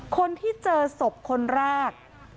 คนที่เจอศพคนแรก